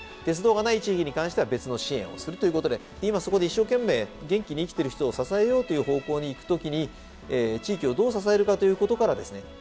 鉄道がない地域に関しては別の支援をするということで今そこで一生懸命元気に生きてる人を支えようという方向に行く時に地域をどう支えるかということからですね